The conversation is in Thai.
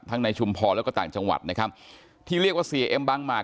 ในชุมพรแล้วก็ต่างจังหวัดนะครับที่เรียกว่าเสียเอ็มบางหมาก